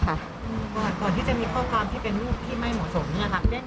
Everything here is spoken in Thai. ก่อนที่จะมีข้อความที่เป็นรูปที่ไม่หมดส่งเนี่ยค่ะ